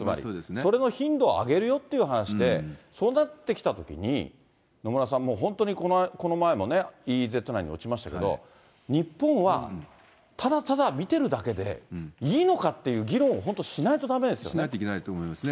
それの頻度を上げるよって話で、そうなってきたときに野村さん、もう本当にこの前もね、ＥＥＺ内に落ちましたけど、日本はただただ見てるだけでいいのかっていう議論を本当、しないといけないと思いますね。